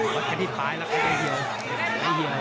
ก็ที่ภายแล้วใครจะเยี่ยว